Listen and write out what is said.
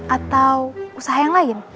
atau usaha yang lain